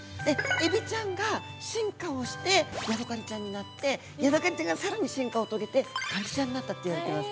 エビちゃんが進化をしてヤドカリちゃんになってヤドカリちゃんがさらに進化を遂げてカニちゃんになったっていわれてます。